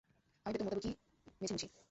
আমি বেতন মোতাবেকই মেঝে মুছি।